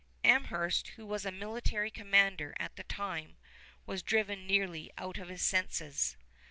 Amherst, who was military commander at this time, was driven nearly out of his senses.